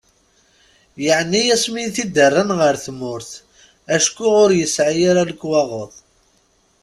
Yeɛni asmi i t-id-rran ɣer tmurt acku ur yesɛi ara lekwaɣeḍ.